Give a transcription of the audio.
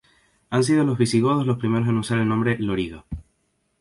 Han sido los visigodos los primeros a usar el nombre Loriga.